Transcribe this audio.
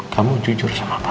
kamu jujur sama papa